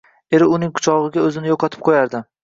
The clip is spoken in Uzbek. eri uning quchogʼida oʼzini yoʼqotib qoʼyardi.